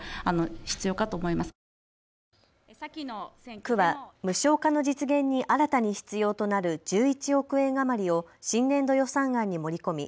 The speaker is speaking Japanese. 区は無償化の実現に新たに必要となる１１億円余りを新年度予算案に盛り込み